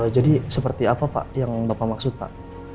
jadi seperti apa pak yang bapak maksud pak